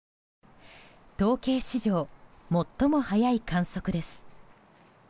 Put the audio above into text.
統計史上最も早い観測です。